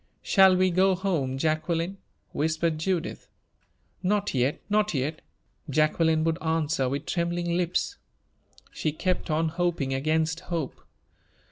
"Shall we go home, Jacqueline?" whispered Judith. "Not yet not yet!" Jacqueline would answer, with trembling lips. She kept on hoping against hope.